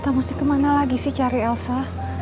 atau mesti kemana lagi sih cari elsa